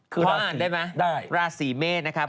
คือราศีได้พออ่านได้ไหมราศีเมฆนะครับ